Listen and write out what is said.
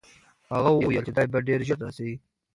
هغه وویل چې دی به ډېر ژر راسي.